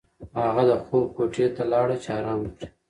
هغه د خوب کوټې ته لاړه چې ارام وکړي.